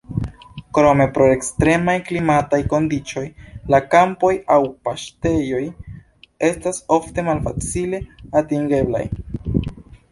Krome pro ekstremaj klimataj kondiĉoj la kampoj aŭ paŝtejoj estas ofte malfacile atingeblaj.